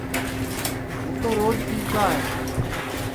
ہوں تو روج پیوتا ہے